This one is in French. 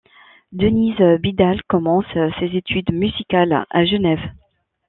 Denise Bidal commence ses études musicales à Genève.